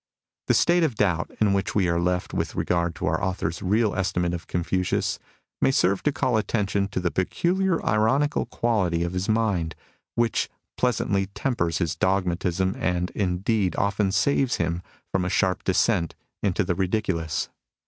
The state of doubt in which we are left with regard to our author's real estimate of Confucius may serve to call attention to the peculiar ironical quality of his mind, which pleasantly tempers his dogmatism and, indeed, often saves him from a sharp descent into the ridiculous.